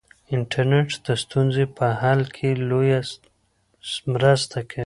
انټرنیټ د ستونزو په حل کې لویه مرسته کوي.